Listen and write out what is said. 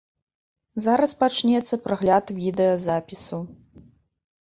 Зараз пачнецца прагляд відэазапісу.